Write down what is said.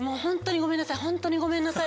ホントにごめんなさい